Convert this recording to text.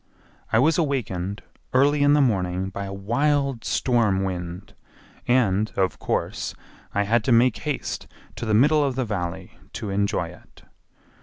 I was awakened early in the morning by a wild storm wind and of course I had to make haste to the middle of the Valley to enjoy it.